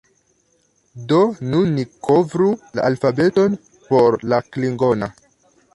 Do, nun ni kovru la alfabeton por la klingona